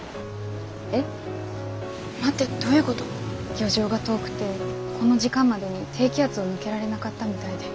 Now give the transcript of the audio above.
漁場が遠くてこの時間までに低気圧を抜けられなかったみたいで。